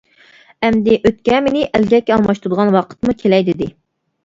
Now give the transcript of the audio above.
ئەمدى ئۆتكەمىنى ئەلگەككە ئالماشتۇرىدىغان ۋاقىتمۇ كېلەي دېدى.